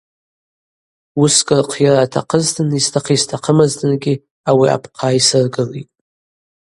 Уыскӏ рхъйара атахъызтын йстахъы-йстахъымызтынгьи ауи апхъа йсыргылитӏ.